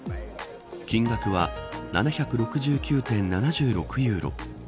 金額は７６９．７６ユーロ。